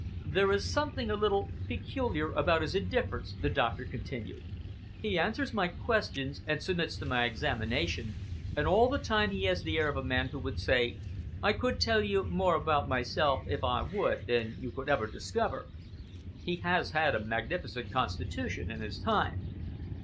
"There is something a little peculiar about his indifference," the doctor continued. "He answers my questions and submits to my examination, and all the time he has the air of a man who would say, 'I could tell you more about myself, if I would, than you could ever discover.' He has had a magnificent constitution in his time."